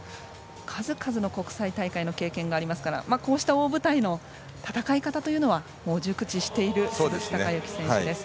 数々の国際大会の経験がありますからこうした大舞台の戦い方は熟知している鈴木孝幸選手です。